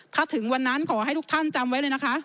ถ้าถึงวันนั้นขอให้ทุกท่านจำไว้เลยนะคะ